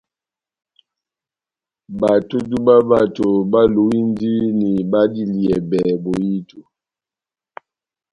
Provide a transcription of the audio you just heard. Batodu bá bato báluwindini badiliyɛbɛ bohito.